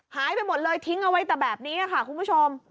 หายไปหมดเลยทิ้งเอาไว้แต่แบบนี้ค่ะคุณผู้ชม